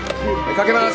かけます。